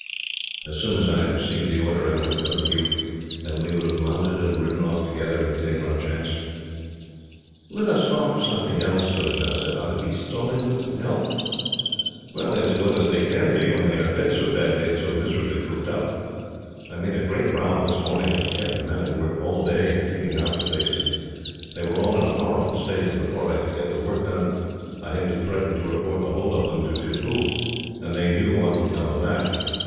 As soon as I had received the order I would have come to you, and we would have mounted and ridden off together, and taken our chance." "Let us talk of something else," Surajah said. "Are the beasts all in good health?" "As well as they can be, when they are fed so badly, and so miserably cooped up. I made a great row this morning, and have kept the men at work all day in cleaning out the places. They were all in a horrible state, and before I could get the work done, I had to threaten to report the whole of them to Tippoo, and they knew what would come of that.